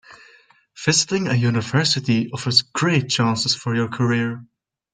Visiting a university offers great chances for your career.